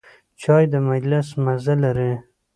چای د مجلس مزه لري.